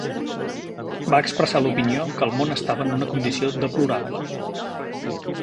Va expressar l'opinió que el món estava en una condició deplorable.